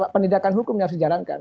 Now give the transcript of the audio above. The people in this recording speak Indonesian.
penindakan hukum yang harus dijalankan